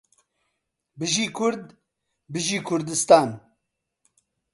بژی کورد بژی کوردستان